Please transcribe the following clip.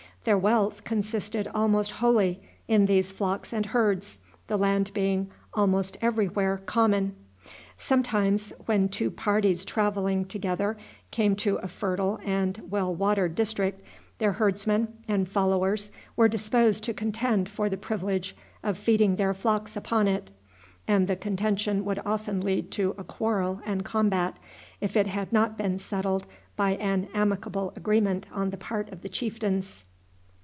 Their wealth consisted almost wholly in these flocks and herds, the land being almost every where common. Sometimes, when two parties traveling together came to a fertile and well watered district, their herdsmen and followers were disposed to contend for the privilege of feeding their flocks upon it, and the contention would often lead to a quarrel and combat, if it had not been settled by an amicable agreement on the part of the chieftains.